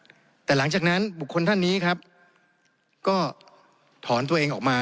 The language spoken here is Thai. แต่หลังจากนั้นครับบุคคลท่านนี้ก็ถอนตัวเองออกมา